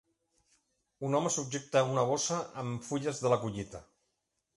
Un home subjecte una bossa amb fulles de la collita